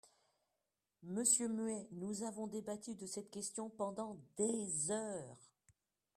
Monsieur Muet, nous avons débattu de cette question pendant des heures.